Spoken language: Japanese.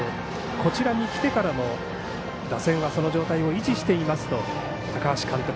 こちらに来てからも打線はその状態を維持していますと高橋監督